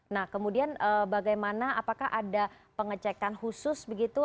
nah kemudian bagaimana apakah ada pengecekan khusus begitu